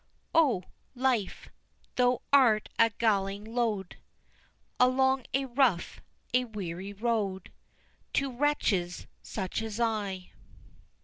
"O life! thou art a galling load Along a rough, a weary road, To wretches such as I."